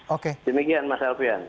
oke demikian mas alfrian